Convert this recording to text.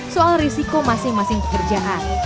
soal risiko masing masing pekerjaan